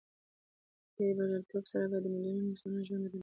دې بریالیتوب سره به د میلیونونو انسانانو ژوند بدل شي.